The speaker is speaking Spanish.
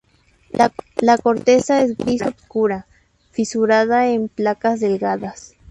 La corteza es gris oscura, fisurada en placas delgadas.